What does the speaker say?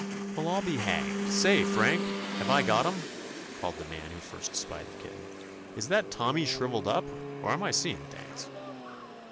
"Well, I'll be hanged! Say, Frank, have I got 'em?" called the man who first spied the kitten. "Is that Tommy shrivelled up, or am I seeing things'?"